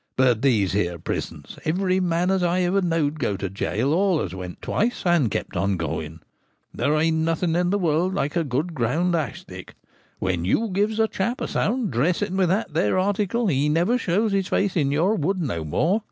But these here prisons — every man as ever I knowed go to gaol always went twice, and kept on going. There ain't nothing in the world like a good ground ash stick. When you gives a chap a sound dressing with that there article, he never shows his face in your wood no more.